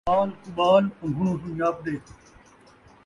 ٻال کٻال پنگھوڑیوں سنڄاپدے